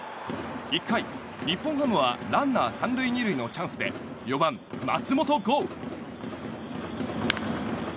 １回、日本ハムはランナー３塁２塁のチャンスで４番、松本剛。